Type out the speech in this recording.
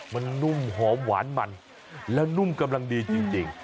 มันนุ่มหอมหวานมันแล้วนุ่มกำลังดีจริง